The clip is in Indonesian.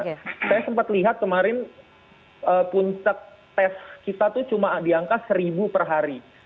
saya sempat lihat kemarin puncak tes kita itu cuma di angka seribu per hari